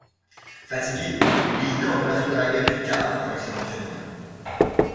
Fatigué, il dort dans la soute à bagage du car quand l'accident survient.